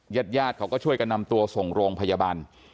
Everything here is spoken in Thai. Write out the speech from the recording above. ญาติญาติเขาก็ช่วยกันนำตัวส่งโรงพยาบาล